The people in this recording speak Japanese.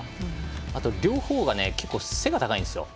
あと両方が結構、背が高いんです。